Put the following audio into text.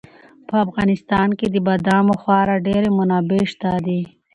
په افغانستان کې د بادامو خورا ډېرې منابع شته دي.